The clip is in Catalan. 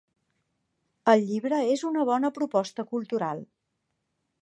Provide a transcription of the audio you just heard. El llibre és una bona proposta cultural.